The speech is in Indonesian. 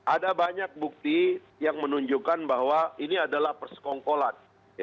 ada banyak bukti yang menunjukkan bahwa ini adalah persekongkolan